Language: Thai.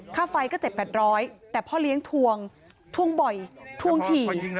ค่าไฟก็๗๘๐๐แต่พ่อเลี้ยงทวงทวงบ่อยทวงถี่